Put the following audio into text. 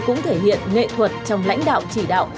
cũng thể hiện nghệ thuật trong lãnh đạo chỉ đạo